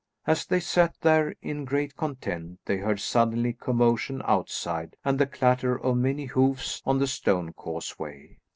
As they sat there in great content they heard suddenly a commotion outside and the clatter of many hoofs on the stone causeway.